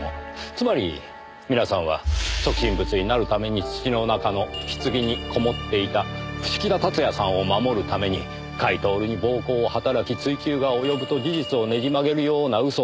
つまり皆さんは即身仏になるために土の中の棺にこもっていた伏木田辰也さんを守るために甲斐享に暴行を働き追及が及ぶと事実をねじ曲げるような嘘をついた。